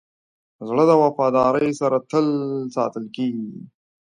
زړه د وفادارۍ سره تل ساتل کېږي.